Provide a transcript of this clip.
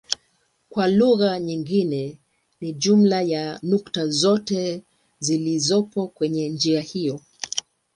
Kwa lugha nyingine ni jumla ya nukta zote zilizopo kwenye njia hiyo.